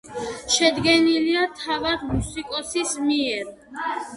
შედგენილია თავად მუსიკოსის მიერ.